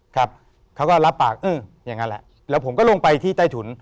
ครับเขาก็รับปากเอออย่างนั้นแหละแล้วผมก็ลงไปที่ใต้ถุน